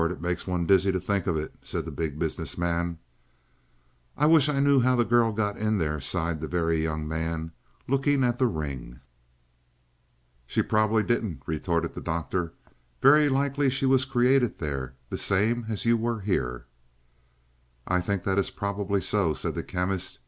It makes one dizzy to think of it," said the Big Business Man. "I wish I knew how that girl got in there," sighed the Very Young Man, looking at the ring. "She probably didn't," retorted the Doctor. "Very likely she was created there, the same as you were here." "I think that is probably so," said the Chemist.